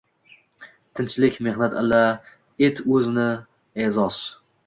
Tinchlik, mehnat ila et o’zni e’zoz